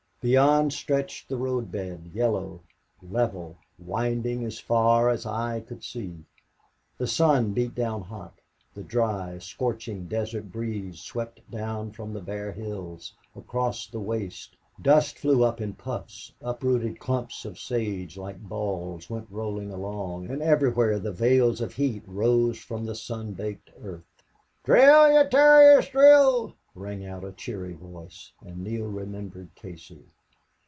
Beyond stretched the road bed, yellow, level, winding as far as eye could see. The sun beat down hot; the dry, scorching desert breeze swept down from the bare hills, across the waste; dust flew up in puffs; uprooted clumps of sage, like balls, went rolling along; and everywhere the veils of heat rose from the sun baked earth. "Drill, ye terriers, drill!" rang out a cheery voice. And Neale remembered Casey.